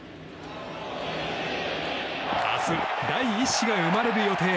明日、第１子が生まれる予定。